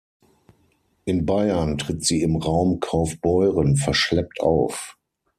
In Bayern tritt sie im Raum Kaufbeuren verschleppt auf.